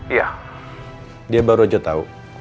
iya dia baru aja tau